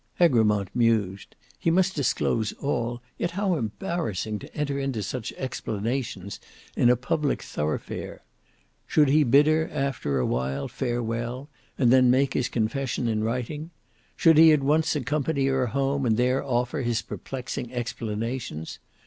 Egremont mused: he must disclose all, yet how embarrassing to enter into such explanations in a public thoroughfare! Should he bid her after a while farewell, and then make his confession in writing? Should he at once accompany her home, and there offer his perplexing explanations?